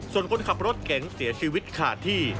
ส่วนคนขับรถเก๋งเสียชีวิตขาดที่